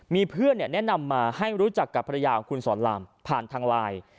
มีเพื่อนแนะนำมาให้รู้จักกับภรรยาของคุณสอนรามผ่านทางไลน์